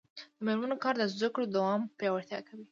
د میرمنو کار د زدکړو دوام پیاوړتیا کوي.